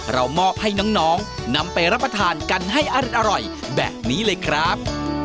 เรามอบให้น้องนำไปรับประทานกันให้อร่อยแบบนี้เลยครับ